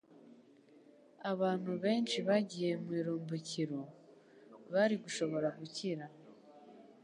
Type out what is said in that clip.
Abantu benshi bagiye mu irimbukiro, bari gushobora gukira,